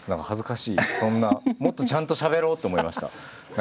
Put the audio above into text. もっとちゃんとしゃべろうって思いました何か。